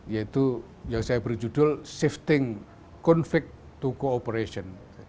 yaitu yang saya berjudul shifting conflict to cooperation